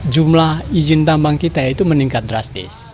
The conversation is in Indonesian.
jumlah izin tambang kita itu meningkat drastis